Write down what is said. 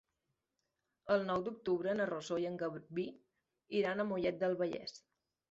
El nou d'octubre na Rosó i en Garbí iran a Mollet del Vallès.